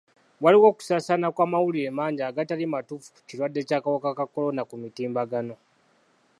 Waliwo okusaasaana kw'amawulire mangi agatali matuufu ku kirwadde ky'akawuka ka kolona ku mitimbagano.